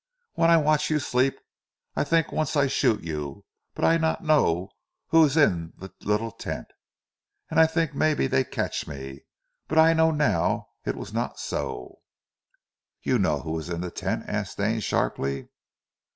When I watch you sleep, I tink once I shoot you; but I not know who ees in zee leetle tent, an' I tink maybe dey catch me, but I know now eet vas not so." "You know who was in the tent?" asked Stane sharply.